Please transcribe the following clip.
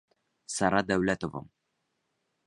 Сара ДӘҮЛӘТОВА: